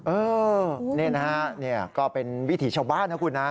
เออนี่นะครับก็เป็นวิถีชาวบ้านนะครับคุณ